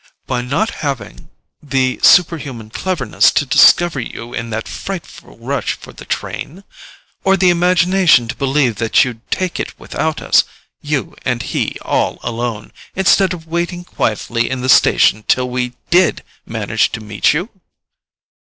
"By not having the superhuman cleverness to discover you in that frightful rush for the train? Or the imagination to believe that you'd take it without us—you and he all alone—instead of waiting quietly in the station till we DID manage to meet you?"